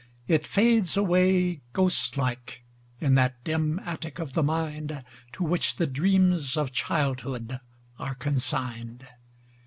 It fades away, Ghost like, in that dim attic of the mind To which the dreams of childhood are consigned.